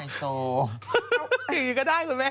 อย่างนี้ก็ได้คุณแม่